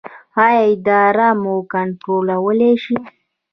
ایا ادرار مو کنټرولولی شئ؟